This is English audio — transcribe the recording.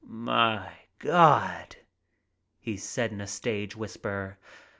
"My Gawd !" He said in a stage whisper.